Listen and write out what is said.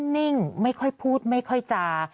นิ่งไม่ค่อยพูดไม่ค่อยจา